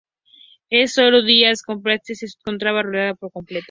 En sólo unos días, Copenhague se encontraba rodeada por completo.